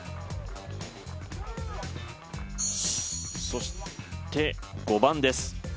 そして５番です。